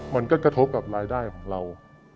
มันก็กระทบกับรายได้ของเรา